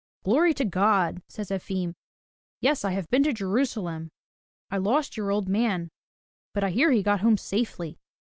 "Glory to God," says Efim. "Yes, I have been to Jerusalem. I lost your old man, but I hear he got home safely."